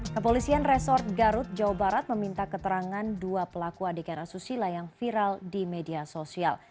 kepolisian resort garut jawa barat meminta keterangan dua pelaku adegan asusila yang viral di media sosial